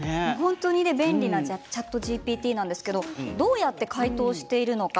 とても便利なＣｈａｔＧＰＴなんですがどうやって回答しているのか